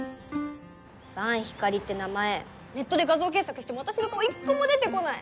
「伴ひかり」って名前ネットで画像検索しても私の顔一個も出てこない。